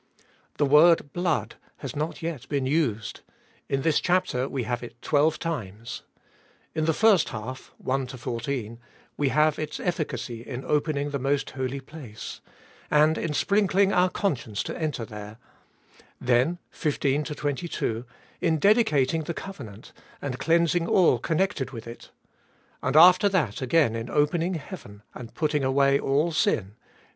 The word Blood has not yet been used : in this chapter we have it twelve times. In the first half (1 14) we have its efficacy in opening the most holy place, and in sprinkling our conscience to enter there; then (15 22) in dedicating the cove nant, and cleansing all connected with it ; and after that again in opening heaven and putting away all sin (23 28).